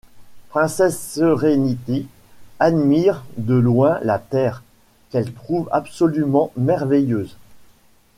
Princess Serenity admire de loin la Terre, qu’elle trouve absolument merveilleuse.